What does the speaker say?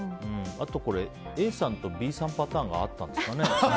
あと、ＡさんとＢさんパターンがあったんですかね。